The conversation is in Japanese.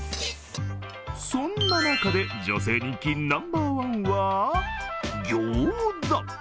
そんな中で女性人気ナンバーワンは餃子。